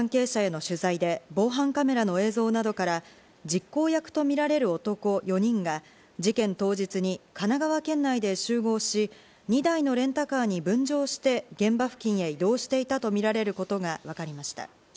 捜査関係者への取材で、防犯カメラの映像などから実行役とみられる男４人が、事件当日に神奈川県内で集合し、２台のレンタカーに分乗して現場復帰へ移動していたとみられることがわかりました。